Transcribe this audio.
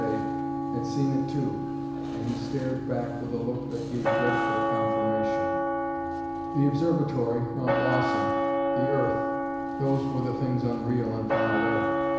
A., had seen it too, and he stared back with a look that gave dreadful confirmation. The observatory Mount Lawson the earth! those were the things unreal and far away.